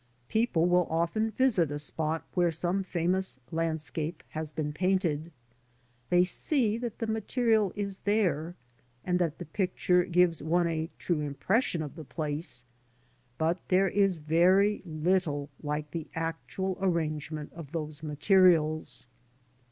People will often visit a spot where some famous landscape has been painted; they see that the material is there, and that the picture gives one a true impression of the place, but there is very little like the actual arrangement of those materials.